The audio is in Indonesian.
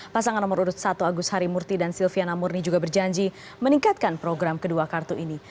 pasangan nomor urut satu agus harimurti dan silviana murni juga berjanji meningkatkan program kedua kartu ini